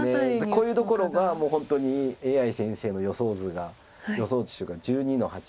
こういうところがもう本当にＡＩ先生の予想図が予想手が１２の八。